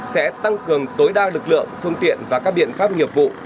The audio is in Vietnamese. sẽ tăng cường tối đa lực lượng phương tiện và các biện pháp nghiệp vụ